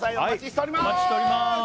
お待ちしております